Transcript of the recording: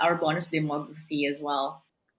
dan juga untuk memiliki keuntungan